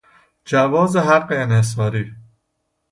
جواز حق انحصاری